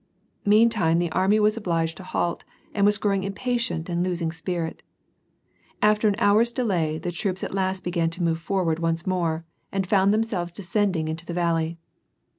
Meantime the army was obliged to halt, and was growing impatient and losing spint. After an hour's delay, the troops at last began to move forward once more, and found them selves descending into the valley.